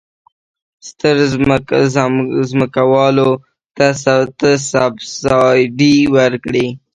ستر ځمکوالو ته سبسایډي ورکړي.